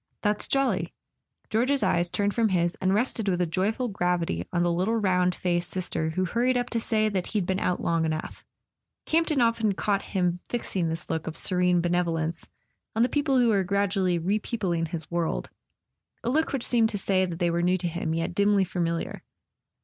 "That's jolly." George's eyes turned from his and rested with a joyful gravity on the little round faced [ 310 ] A SON AT THE FRONT Sister who hurried up to say that he'd been out long enough. Campton often caught him fixing this look of serene benevolence on the people who were gradually repeopling his world, a look which seemed to say that they were new to him, yet dimly familiar.